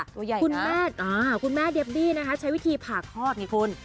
ตัวใหญ่นะคุณแม่เดบบี้ใช้วิธีผ่าคลอดนี่คุณ